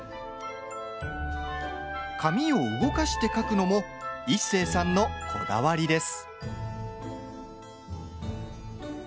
紙を動かして描くのも一生さんのこだわりです。